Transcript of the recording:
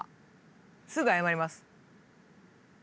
すぐ謝ります。